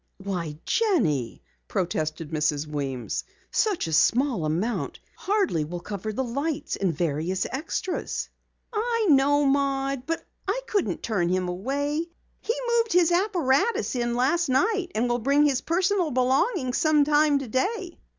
"Why, Jenny," protested Mrs. Weems, "such a small amount hardly will cover the lights and various extras." "I know, Maud, but I couldn't turn him away. He moved his apparatus in last night and will bring his personal belongings sometime today."